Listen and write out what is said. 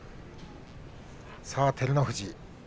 さあ、照ノ富士。